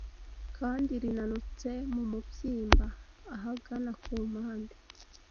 kandi rinanutse mu mubyimbya ahagana ku mpande